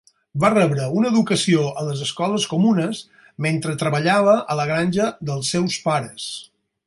Va rebre una educació a les escoles comunes mentre treballava a la granja dels seus pares.